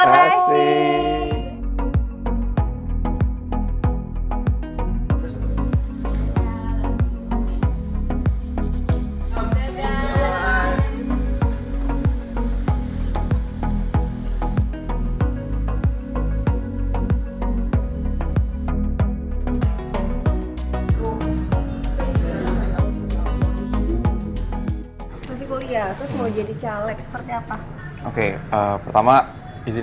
tapi jangan jahat ya sayang